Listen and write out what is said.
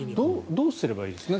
どうすればいいですか？